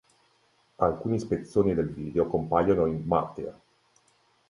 Alcuni spezzoni del video compaiono in "Martyr".